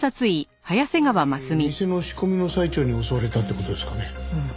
やはり店の仕込みの最中に襲われたって事ですかね。